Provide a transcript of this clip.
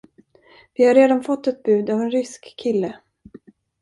Vi har redan fått ett bud av en rysk kille.